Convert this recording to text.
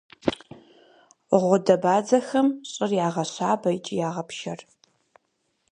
Гъудэбадзэхэм щӀыр ягъэщабэ икӏи ягъэпшэр.